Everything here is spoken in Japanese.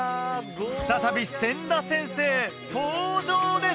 再び千田先生登場です！